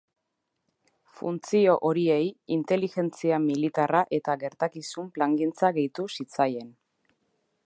Funtzio horiei inteligentzia militarra eta gertakizun plangintza gehitu zitzaien.